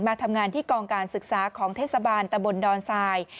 มาทำงานที่กองการศึกษาของเทศบาลตะบนดอนทราย